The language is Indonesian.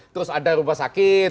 terus ada rupa sakit